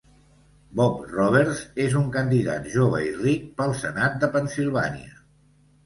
Bob Roberts és un candidat, jove i ric, pel senat de Pennsilvània.